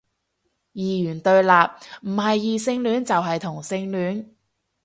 二元對立，唔係異性戀就係同性戀